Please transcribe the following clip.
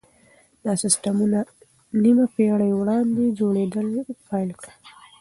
دا سيستمونه نيمه پېړۍ وړاندې جوړېدل پيل کړل.